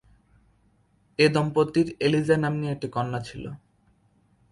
এ দম্পতির এলিজা নাম্নী এক কন্যা ছিল।